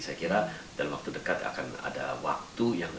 saya kira dalam waktu dekat akan ada waktu yang